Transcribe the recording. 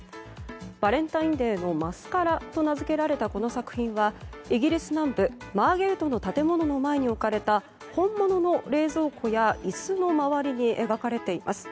「バレンタインデーのマスカラ」と名付けられたこの作品はイギリス南部マーゲートの建物の前に置かれた本物の冷蔵庫や椅子の周りに描かれています。